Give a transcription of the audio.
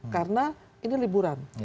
karena ini liburan